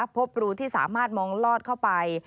พบรูที่สามารถมองลอดเข้าไป